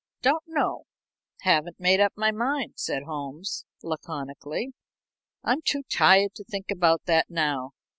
"Don't know haven't made up my mind," said Holmes, laconically. "I'm too tired to think about that now.